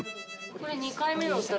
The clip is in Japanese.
これ２回目の。